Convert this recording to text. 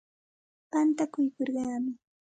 Pantaykurquumi.